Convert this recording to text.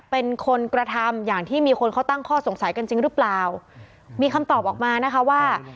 เป็นคนกระทำอย่างที่มีคนเขาตั้งข้อสงสัยกันจริงหรือเปล่ามีคำตอบออกมานะคะว่า